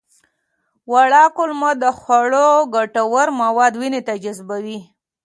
وړه کولمه د خوړو ګټور مواد وینې ته جذبوي